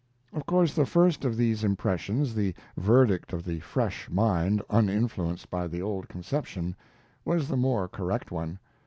Of course the first of these impressions, the verdict of the fresh mind uninfluenced by the old conception, was the more correct one.